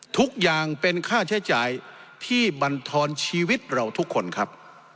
ทุกอย่างเป็นค่าใช้จ่ายที่บรรทอนชีวิตเราทุกคนครับ